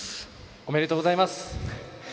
おめでとうございます。